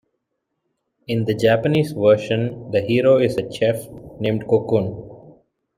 In the Japanese version, the hero is a chef named Kokkun.